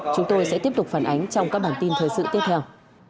chúng tôi sẽ tiếp tục phản ánh trong các bản tin thời sự tiếp theo